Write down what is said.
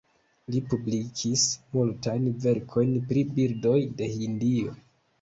Li publikis multajn verkojn pri birdoj de Hindio.